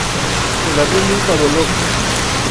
El avión nunca voló.